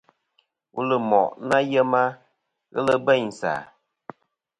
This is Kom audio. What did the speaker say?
Wul ɨ moʼ ɨ nà yema, ghelɨ bêynsì a.